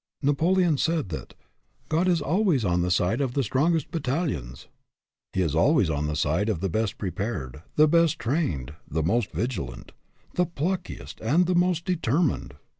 Napoleon said that " God is always on the side of the strongest battalions/' He is al ways on the side of the best prepared, the best trained, the most vigilant, the pluckiest, and the most determined.